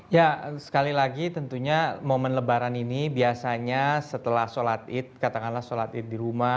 ya sekali lagi tentunya momen lebaran ini biasanya setelah sholat id katakanlah sholat id di rumah